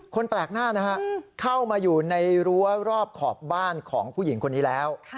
แปลกหน้านะฮะเข้ามาอยู่ในรั้วรอบขอบบ้านของผู้หญิงคนนี้แล้ว